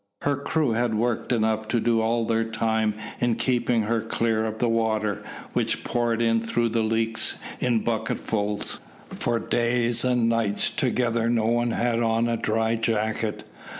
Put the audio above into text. Her crew had work enough to do all their time in keeping her clear of the water, which poured in through the leaks in bucketsful. For days and nights together no one had on a dry jacket.